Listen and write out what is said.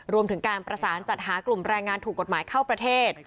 รวมถึงการประสานจัดหากลุ่มแรงงานถูกกฎหมายเข้าประเทศ